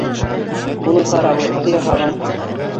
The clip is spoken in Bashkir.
Уның ҡарауы, үҙе яһаған!